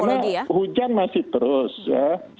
karena hujan masih terus ya